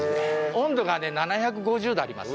温度がね７５０度あります。